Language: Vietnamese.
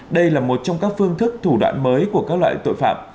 đây là một trong các phương thức thủ đoạn mới của các loại tội phạm